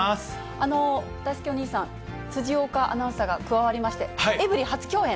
だいすけお兄さん、辻岡アナウンサーが加わりまして、エブリィ初共演。